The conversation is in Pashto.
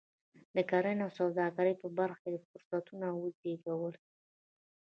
د کرنې او سوداګرۍ په برخه کې فرصتونه وزېږول.